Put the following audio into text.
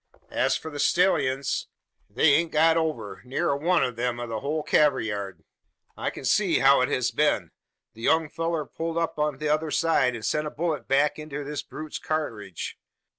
"As for the stellyuns, they hain't got over ne'er a one o' the hul cavayurd. I kin see how it hez been. The young fellur pulled up on t'other side, an sent a bullet back inter this brute's karkidge.